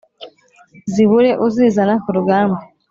zibure uzizana ku rugamba